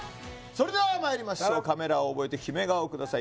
それではまいりましょうカメラを覚えてキメ顔ください